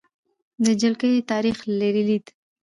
د جلکې تاریخې لرلید: